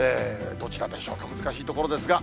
どちらでしょうか、難しいところですが。